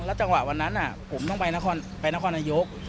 จังหวะวันนั้นผมต้องไปนครนายก